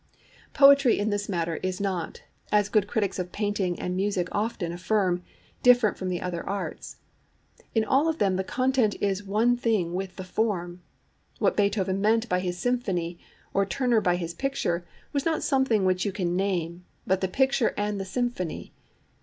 Poetry in this matter is not, as good critics of painting and music often affirm, different from the other arts; in all of them the content is one thing with the form. What Beethoven meant by his symphony, or Turner by his picture, was not something which you can name, but the picture and the symphony.